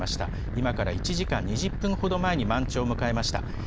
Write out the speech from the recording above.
今から１時間２０分ほど前に満潮を迎えました。